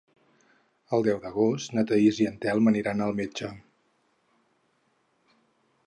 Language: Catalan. El deu d'agost na Thaís i en Telm aniran al metge.